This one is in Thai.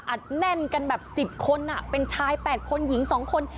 อัดแน่นกันแบบสิบคนอ่ะเป็นชายแปดคนหญิงสองคน